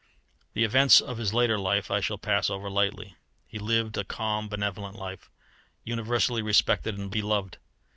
The events of his later life I shall pass over lightly. He lived a calm, benevolent life, universally respected and beloved.